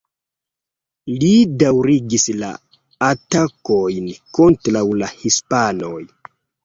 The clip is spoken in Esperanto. Li daŭrigis la atakojn kontraŭ la hispanoj.